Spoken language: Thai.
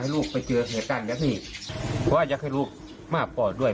ให้ลูกไปเจอเหตุการณ์แบบนี้ว่าอยากให้ลูกมาปลอดด้วย